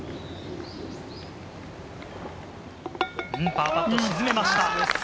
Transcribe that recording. パーパット、沈めました。